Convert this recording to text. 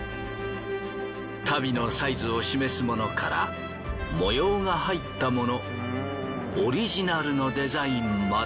足袋のサイズを示すものから模様が入ったものオリジナルのデザインまで。